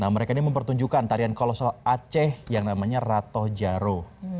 nah mereka ini mempertunjukkan tarian kolosal aceh yang namanya ratoh jaro